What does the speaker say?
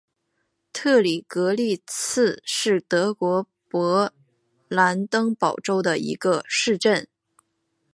特里格利茨是德国勃兰登堡州的一个市镇。